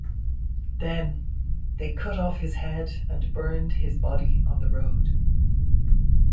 Then they cut off his head and burned his body on the road.